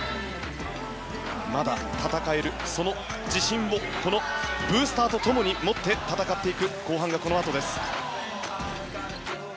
まだ戦えるその自信をこのブースターと共に持って戦っていく後半がこのあとです。